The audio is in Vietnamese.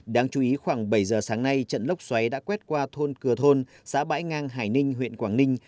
đáng chú ý khoảng bảy giờ sáng nay trận lốc xoáy đã quét qua thôn cửa thôn xã bãi ngang hải ninh huyện quảng ninh